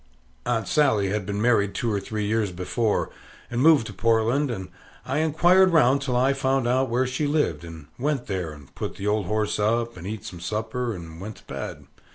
Aunt Sally had been married two or three years before, and moved to Portland; and I inquired round till I found out where she lived, and went there, and put the old horse up, and eat some supper, and went to bed.